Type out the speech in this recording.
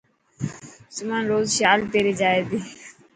سمن روز شال پيري جائي تي.